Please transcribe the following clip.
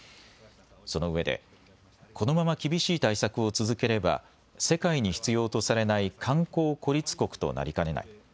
そのうえでこのまま厳しい対策を続ければ世界に必要とされない観光孤立国となりかねない。